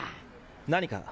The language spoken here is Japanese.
何か？